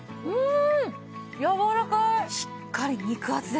うん。